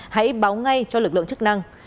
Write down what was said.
hãy báo ngay cho lực lượng chức năng